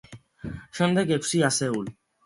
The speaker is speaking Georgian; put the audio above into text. შემდეგ, ექვსი ასეული.